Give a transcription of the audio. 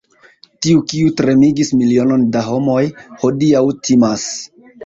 Tiu, kiu tremigis milionon da homoj, hodiaŭ timas!